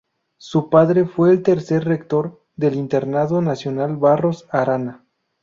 Su padre fue el tercer rector del Internado Nacional Barros Arana.